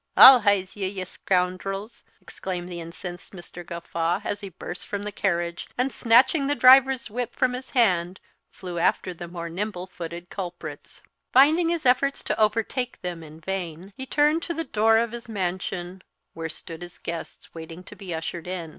"I'll heize ye, ye scoundrels!" exclaimed the incensed Mr. Gawffaw, as he burst from the carriage; and, snatching the driver's whip from his hand, flew after the more nimble footed culprits. Finding his efforts to overtake them in vain, here turned to the door of his mansion, where stood his guests, waiting to be ushered in.